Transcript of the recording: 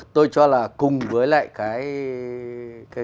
tôi cho là cùng với lại cái